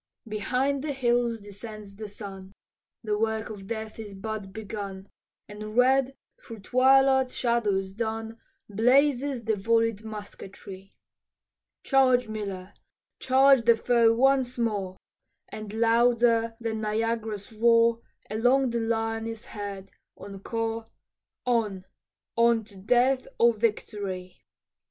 Behind the hills descends the sun, The work of death is but begun, And red through twilight's shadows dun Blazes the vollied musketry. "Charge, Miller, charge the foe once more," And louder than Niagara's roar Along the line is heard, encore, "On, on to death or victory."